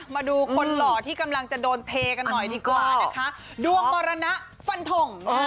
มาดูคนหล่อที่กำลังจะโดนเทกันหน่อยดีกว่านะคะดวงมรณะฟันทง